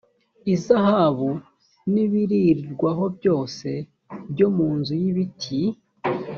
izahabu n ibirirwaho byose byo mu nzu y ibiti